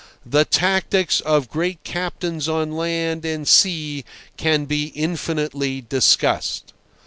The tactics of great captains on land and sea can be infinitely discussed.